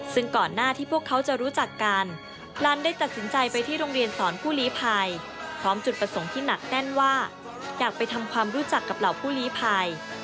ซึ่งก่อนหน้าที่พวกเขาจะรู้จักกันลันได้ตัดสินใจไปที่โรงเรียนสอนผู้ลีภัยพร้อมจุดประสงค์ที่หนักแน่นว่าอยากไปทำความรู้จักกับเหล่าผู้ลีภัย